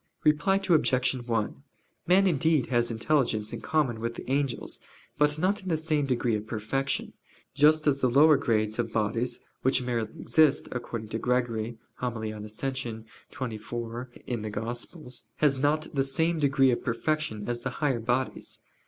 Reply Obj. 1: Man indeed has intelligence in common with the angels, but not in the same degree of perfection: just as the lower grades of bodies, which merely exist, according to Gregory (Homily on Ascension, xxix In Ev.), have not the same degree of perfection as the higher bodies.